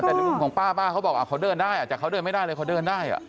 แต่ในมุมของป้าป้าเขาบอกเขาเดินได้แต่เขาเดินไม่ได้เลยเขาเดินได้